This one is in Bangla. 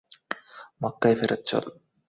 মক্কায় ফেরৎ চল।